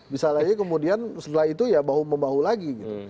bisa lagi kemudian setelah itu ya bahu membahu lagi gitu